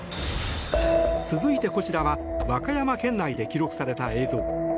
続いて、こちらは和歌山県内で記録された映像。